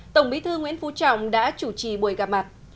tổng bí thư nguyễn phú trọng đã chủ trì buổi gặp mặt